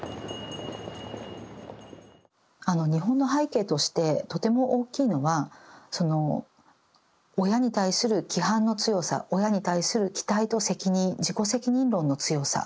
日本の背景としてとても大きいのはその親に対する規範の強さ親に対する期待と責任自己責任論の強さ。